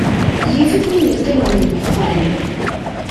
Yif-it win yeqqimen deg uxxam.